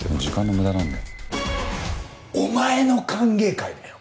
お前の歓迎会だよ！？